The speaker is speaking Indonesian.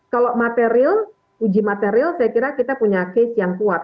kalau materi uji material saya kira kita punya case yang kuat